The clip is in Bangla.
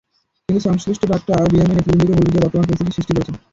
কিন্তু সংশ্লিষ্ট ডাক্তার বিএমএ নেতৃবৃন্দকে ভুল বুঝিয়ে বর্তমান পরিস্থিতি সৃষ্টি করেছেন।